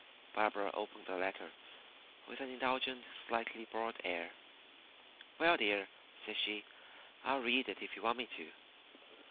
Barbara opened the letter, with an indulgent, slightly bored air. "Well, dear," said she, "I'll read it if you want me to."